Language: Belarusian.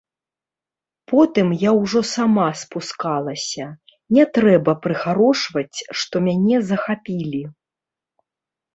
Потым я ўжо сама спускалася, не трэба прыхарошваць, што мяне захапілі.